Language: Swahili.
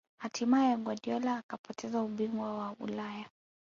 hatimaye guardiola akapoteza ubingwa wa ulaya